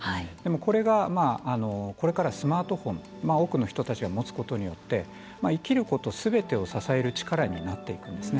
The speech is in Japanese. これがこれからはスマートフォン多くの人たちが持つことによって生きることすべてを支える力になっていくんですね。